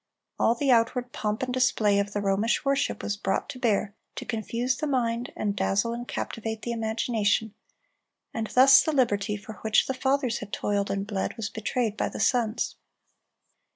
All the outward pomp and display of the Romish worship was brought to bear to confuse the mind, and dazzle and captivate the imagination; and thus the liberty for which the fathers had toiled and bled was betrayed by the sons.